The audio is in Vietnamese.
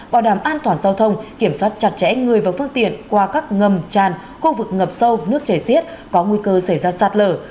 bảo đảm an toàn giao thông kiểm soát chặt chẽ người và phương tiện qua các ngầm tràn khu vực ngập sâu nước chảy xiết có nguy cơ xảy ra sạt lở